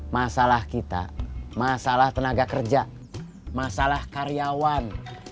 masalah kita masalah tenaga kerja masalah karyawan